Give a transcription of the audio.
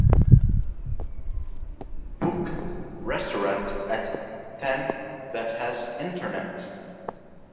book restaurant at ten that has internet